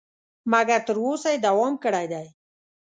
مګر تر اوسه یې دوام کړی دی.